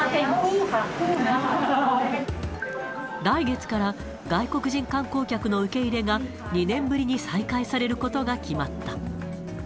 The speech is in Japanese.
来月から、外国人観光客の受け入れが、２年ぶりに再開されることが決まった。